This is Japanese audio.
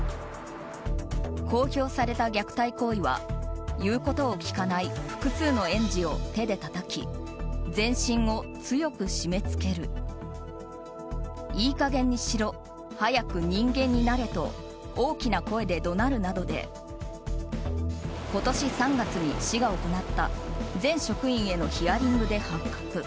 公表された虐待行為は言うことを聞かない複数の園児を手でたたき全身を強く締め付ける「いい加減にしろ」「早く人間になれ」と大きな声で怒鳴るなどで今年３月に市が行った全職員へのヒアリングで発覚。